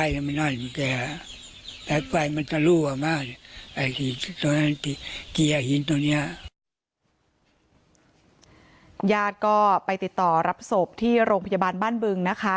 ญาติก็ติดต่อรับศพที่โรงพยาบาลบ้านบึงนะคะ